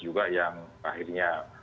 juga yang akhirnya